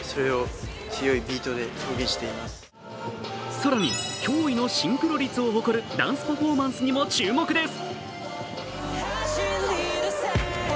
更に、驚異のシンクロ率を誇るダンスパフォーマンスにも注目です。